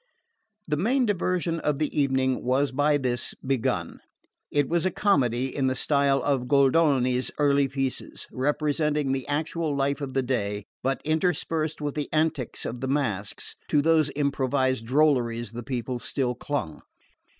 The main diversion of the evening was by this begun. It was a comedy in the style of Goldoni's early pieces, representing the actual life of the day, but interspersed with the antics of the masks, to whose improvised drolleries the people still clung.